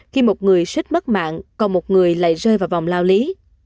khi một người xích mất mạng còn một người lại rơi vào vòng lao lý